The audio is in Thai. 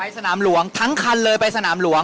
สนามหลวงทั้งคันเลยไปสนามหลวง